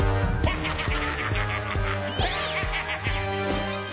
ハハハハ。